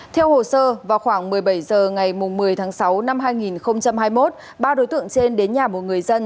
theo hồ sơ vào khoảng một mươi bảy h ngày một mươi tháng sáu năm hai nghìn hai mươi một ba đối tượng trên đến nhà một người dân